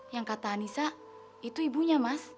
yang kata anissa itu ibunya mas